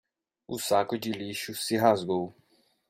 O saco de lixo se rasgou